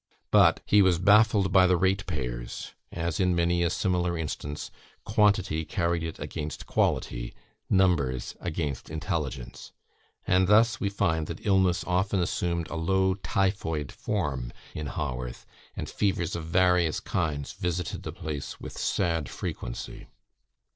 But he was baffled by the rate payers; as, in many a similar instance, quantity carried it against quality, numbers against intelligence. And thus we find that illness often assumed a low typhoid form in Haworth, and fevers of various kinds visited the place with sad frequency.